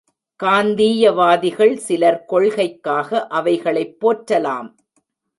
காந்தீயவாதிகள் சிலர் கொள்கைக்காக அவைகளைப் போற்றலாம்.